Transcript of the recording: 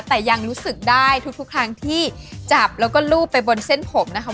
แต่ยังรู้สึกได้ทุกครั้งที่จับแล้วก็รูปไปบนเส้นผมนะคะ